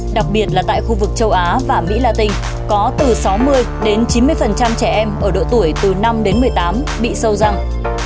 đặc biệt là tại khu vực châu á và mỹ latin có từ sáu mươi đến chín mươi trẻ em ở độ tuổi từ năm đến một mươi tám bị sâu răng